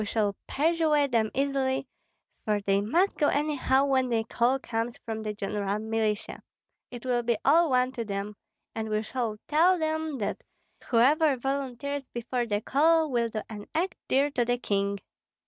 We shall persuade them easily, for they must go anyhow when the call comes for the general militia, it will be all one to them and we shall tell them that whoever volunteers before the call will do an act dear to the king.